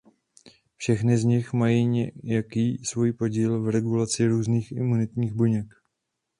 Všechny z nich mají nějaký svůj podíl v regulaci různých imunitních buněk.